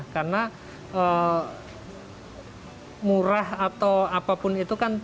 karena murah atau apapun itu kan